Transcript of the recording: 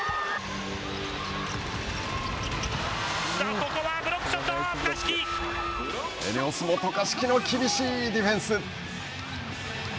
ここはブロックショット、ＥＮＥＯＳも渡嘉敷の厳しいディフェンス。